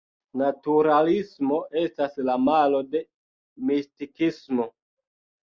Naturalismo estas la malo de Mistikismo.